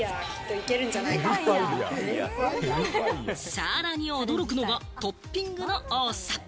さらに驚くのがトッピングの多さ。